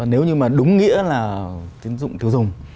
nếu như mà đúng nghĩa là tín dụng tiêu dùng